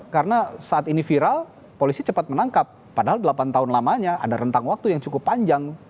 karena saat ini viral polisi cepat menangkap padahal delapan tahun lamanya ada rentang waktu yang cukup panjang